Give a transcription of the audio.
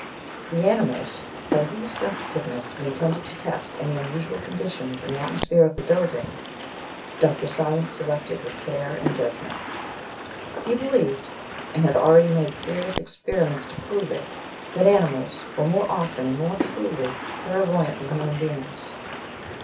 The animals, by whose sensitiveness he intended to test any unusual conditions in the atmosphere of the building, Dr. Silence selected with care and judgment. He believed (and had already made curious experiments to prove it) that animals were more often, and more truly, clairvoyant than human beings.